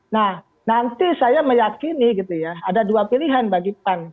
nah nanti saya meyakini ada dua pilihan bagi pan